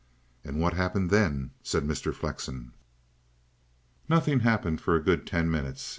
"And what happened then?" said Mr. Flexen. "Nothing 'appened for a good ten minutes.